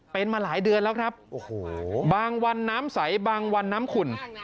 เป็นมาหลายเดือนแล้วครับโอ้โหบางวันน้ำใสบางวันน้ำขุ่น